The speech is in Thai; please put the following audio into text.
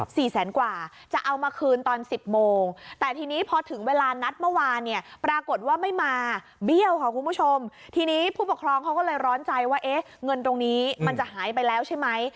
แสนกว่าจะเอามาคืนตอนสิบโมงแต่ทีนี้พอถึงเวลานัดเมื่อวานเนี่ยปรากฏว่าไม่มาเบี้ยวค่ะคุณผู้ชมทีนี้ผู้ปกครองเขาก็เลยร้อนใจว่าเอ๊ะเงินตรงนี้มันจะหายไปแล้วใช่ไหม